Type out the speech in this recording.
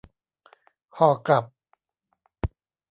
ห่อกลับ